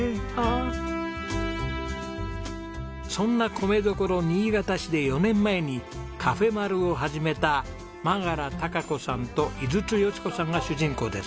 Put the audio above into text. そんな米どころ新潟市で４年前にカフェまる。を始めた眞柄貴子さんと井筒佳子さんが主人公です。